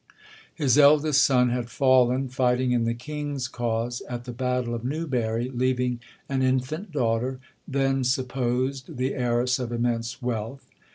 —His eldest son had fallen fighting in the King's cause at the battle of Newbury, leaving an infant daughter, then supposed the heiress of immense wealth.